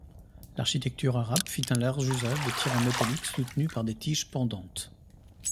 L’architecture arabe fit un large usage de tirants métalliques soutenus par des tiges pendantes.